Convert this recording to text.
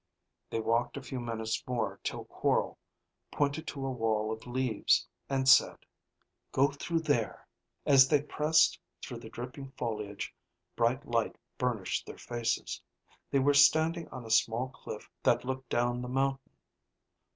They walked a few minutes more till Quorl pointed to a wall of leaves, and said, "Go through there." As they pressed through the dripping foliage, bright light burnished their faces. They were standing on a small cliff that looked down the mountain.